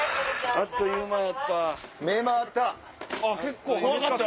あっという間やった。